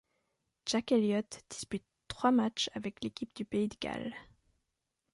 Jack Elliott dispute trois matchs avec l'équipe du pays de Galles.